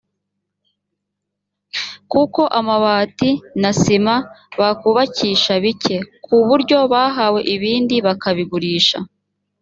kuko amabati na sima bakubakisha bike kubyo bahawe ibindi bakabigurisha